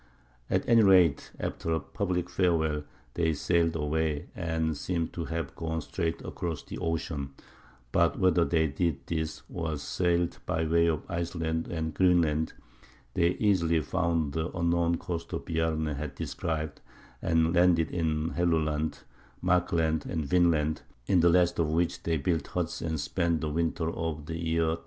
At any rate, after a public farewell they sailed away, and seem to have gone straight across the ocean; but whether they did this, or sailed by way of Iceland and Greenland, they easily found the unknown coasts Bjarne had described, and landed in Helluland, Markland, and Vinland, in the last of which they built huts and spent the winter of the year 1000.